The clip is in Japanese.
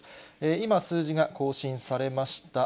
今、数字が更新されました。